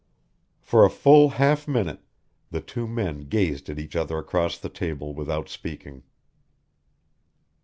For a full half minute the two men gazed at each other across the table, without speaking.